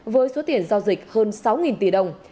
với số tiền giao dịch hơn sáu tỷ đồng